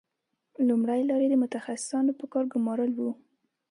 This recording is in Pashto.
لومړۍ لار یې د متخصصانو په کار ګومارل وو